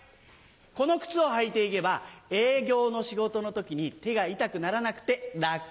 この靴を履いて行けば営業の仕事の時に手が痛くならなくて楽！